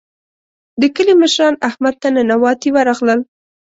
د کلي مشران احمد ته ننواتې ورغلل.